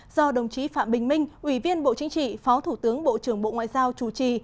do đồng chí phạm bình minh ủy viên bộ chính trị phó thủ tướng bộ trưởng bộ ngoại giao chủ trì